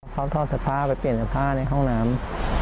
เขาทอดสภาพไปเปลี่ยนสภาพในห้องน้ำ